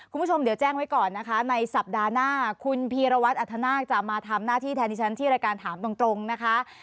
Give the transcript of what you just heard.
คุณผู้ชมเดี๋ยวแจ้งไว้ก่อนนะคะในสัปดาห์หน้าคุณพีรวัตรอัธนาคจะมาทำหน้าที่แทนที่ฉันที่รายการถามตรงนะคะ